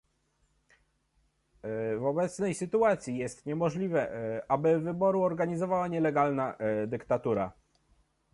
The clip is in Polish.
W obecnej sytuacji jest niemożliwe, aby wybory organizowała nielegalna dyktatura